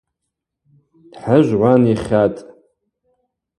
Хӏыжв гӏван йхьатӏ.